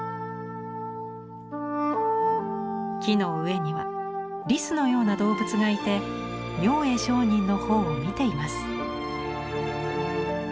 木の上にはリスのような動物がいて明恵上人の方を見ています。